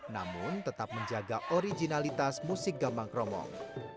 namun tetap menjaga originalitas musik gambang kromong